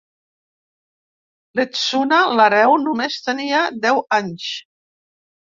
Ietsuna, l'hereu, només tenia deu anys.